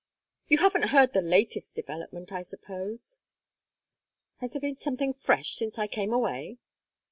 "You haven't heard the latest development, I suppose?" "Has there been something fresh since I came away?"